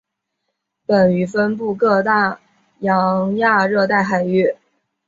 本鱼分布各大洋亚热带海域。